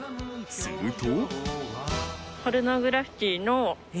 すると。